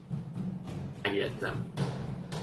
Megjegyzem.